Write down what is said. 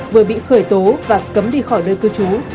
vừa bị khởi tố và cấm đi khỏi nơi cư trú